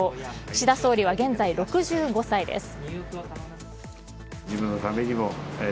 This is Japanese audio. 岸田総理は現在６５歳です。